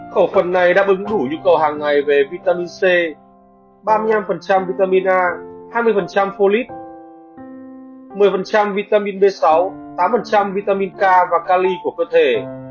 khẩu phần này đáp ứng đủ nhu cầu hàng ngày về vitamin c ba mươi năm vitamin a hai mươi folip một mươi vitamin b sáu tám vitaminca và cali của cơ thể